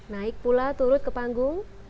naik pula turut ke panggung